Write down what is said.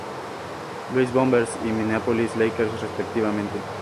Louis Bombers y Minneapolis Lakers respectivamente.